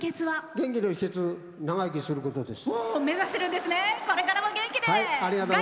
元気の秘けつ長生きすることです。